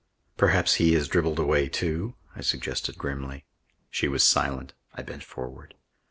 "Perhaps he has dribbled away too?" I suggested grimly. She was silent. I bent forward.